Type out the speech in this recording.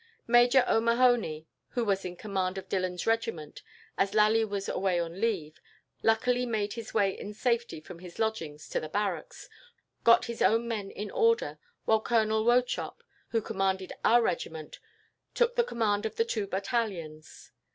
Major O'Mahony, who was in command of Dillon's regiment, as Lally was away on leave, luckily made his way in safety from his lodgings to the barracks, got his own men in order, while Colonel Wauchop, who commanded our regiment, took the command of the two battalions.